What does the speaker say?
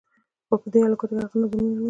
په دې الوتکه کې هغه نظامیان وو